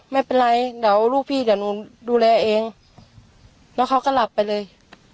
ไม่เป็นไรเดี๋ยวลูกพี่เดี๋ยวหนูดูแลเองแล้วเขาก็หลับไปเลย